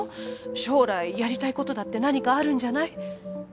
将来やりたいことだって何かあるんじゃない？